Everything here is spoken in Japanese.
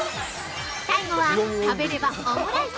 ◆最後は食べればオムライス。